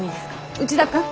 内田君。